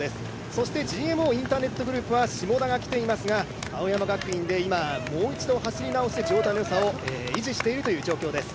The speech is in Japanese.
そして、ＧＭＯインターネットグループは下田が来ていますが、青山学院で今、もう一度走り直して状態のよさを維持しているという状態です。